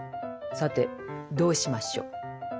さてどうしましょう。